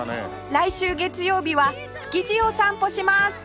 来週月曜日は築地を散歩します